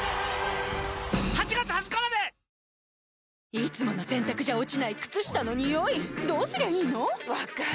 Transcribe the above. いつもの洗たくじゃ落ちない靴下のニオイどうすりゃいいの⁉分かる。